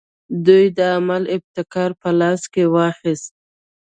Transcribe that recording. دوی د عمل ابتکار په لاس کې واخیست.